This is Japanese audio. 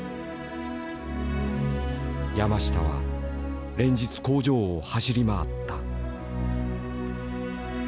山下は連日工場を走り回った。